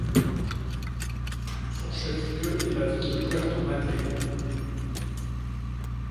Son chef-lieu est la ville de Puerto Madryn.